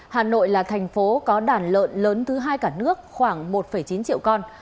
hà nội là thành phố có đàn lợn lớn thứ hai cả nước khoảng một chín triệu con